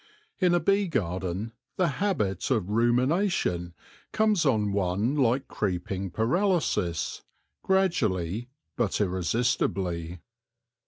In a bee garden the habit of rumination comes on one like creeping paralysis, gradually but irresistibly.